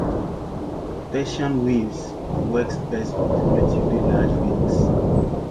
Persian weaves works best with relatively large rings.